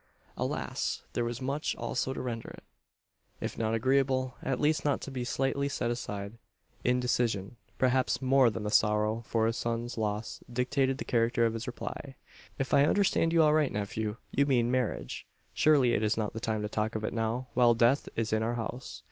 Alas! there was much also to render it, if not agreeable, at least not to be slightingly set aside. Indecision perhaps more than the sorrow for his son's loss dictated the character of his reply. "If I understand you aright, nephew, you mean marriage! Surely it is not the time to talk of it now while death is in our house!